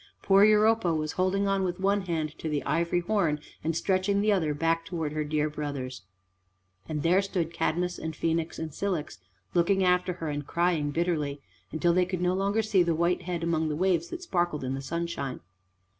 Poor Europa was holding on with one hand to the ivory horn and stretching the other back towards her dear brothers. And there stood Cadmus and Phoenix and Cilix looking after her and crying bitterly, until they could no longer see the white head among the waves that sparkled in the sunshine.